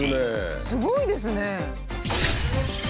すごいですね。